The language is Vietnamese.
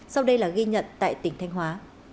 sau đây là ghi nhận tại tỉnh thanh hóa